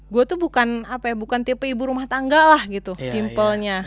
gue tuh bukan apa ya bukan tipe ibu rumah tangga lah gitu simpelnya